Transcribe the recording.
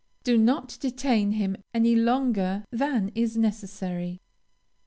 Do not detain him any longer than is necessary.